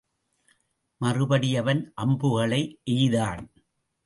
மறுபடி அவன் அம்புகளை எய்தான்.